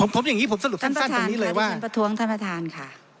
ผมอย่างนี้ผมสรุปทั้งสั้นตรงนี้เลยว่าท่านประธานค่ะดิฉันประท้วงท่านประทานค่ะ